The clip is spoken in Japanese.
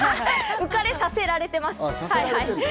浮かれさせられてます。